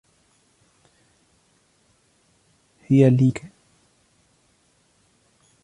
هي لي يينغ.